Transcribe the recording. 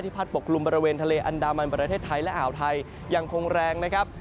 พัดปกลุ่มบริเวณทะเลอันดามันประเทศไทยและอ่าวไทยยังคงแรงนะครับ